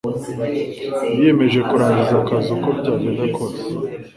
Yiyemeje kurangiza akazi uko byagenda kose.